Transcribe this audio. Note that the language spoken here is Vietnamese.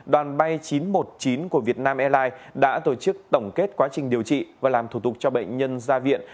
đoàn bay chín trăm một mươi chín của việt nam airlines đã tổ chức tổng kết quá trình điều trị và làm thủ tục cho bệnh nhân ra viện